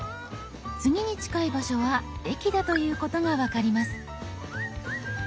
次に近い場所は駅だということが分かります。